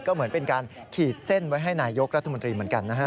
ก็เหมือนเป็นการขีดเส้นไว้ให้นายกรัฐมนตรีเหมือนกันนะฮะ